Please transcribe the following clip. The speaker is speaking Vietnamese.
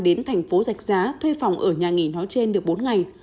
đến thành phố giạch giá thuê phòng ở nhà nghỉ nói trên được bốn ngày